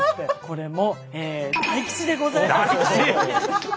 これも大吉でございます。